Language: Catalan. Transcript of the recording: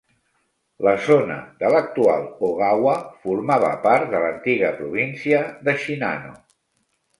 La zona de l'actual Ogawa formava part de l'antiga província de Shinano.